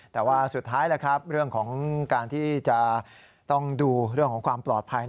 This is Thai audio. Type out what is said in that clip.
แต่ว่าสุดท้ายเรื่องของการที่จะต้องดูเรื่องของความปลอดภัย